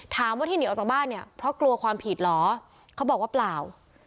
ถามว่าที่หนีออกจากบ้านเนี่ยเพราะกลัวความผิดเหรอเขาบอกว่าเปล่า